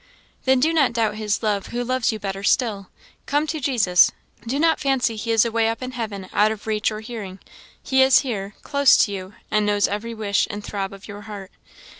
"Then do not doubt his love who loves you better still. Come to Jesus. Do not fancy he is away up in heaven out of reach of hearing; he is here, close to you, and knows every wish and throb of your heart.